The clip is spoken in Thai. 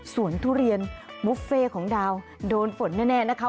ส่วนทุเรียนบุฟเฟ่ของดาวโดนฝนแน่นะคะ